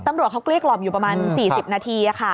ตำรวจเขาเกลี้กล่อมอยู่ประมาณ๔๐นาที